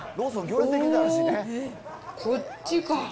こっちか。